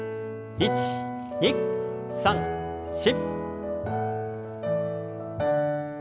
１２３４。